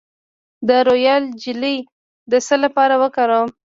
د رویال جیلی د څه لپاره وکاروم؟